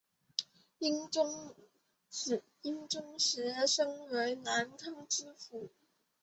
英宗时升为南康知府。